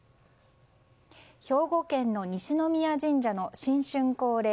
兵庫県の西宮神社の新春恒例